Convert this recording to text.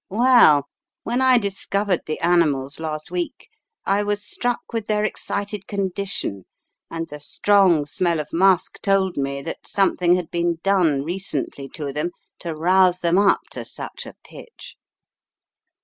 Well, when I discovered the animals last week, I was struck with their excited condition, and the strong smell of musk told me that something had been done recently to them to rouse them up to such a pitch.